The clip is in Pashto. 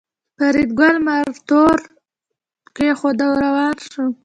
فریدګل مارتول کېښود او روان شو